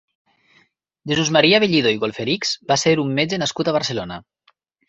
Jesús Maria Bellido i Golferichs va ser un metge nascut a Barcelona.